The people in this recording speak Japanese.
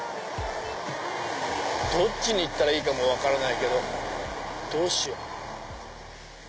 どっちに行ったらいいかも分からないけどどうしよう。